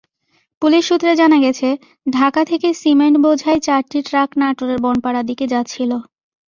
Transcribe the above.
Police সূত্রে জানা গেছে, ঢাকা থেকে সিমেন্টবোঝাই চারটি ট্রাক নাটোরের বনপাড়ার দিকে যাচ্ছিল।